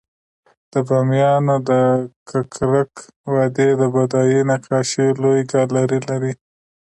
د بامیانو د ککرک وادی د بودایي نقاشیو لوی ګالري لري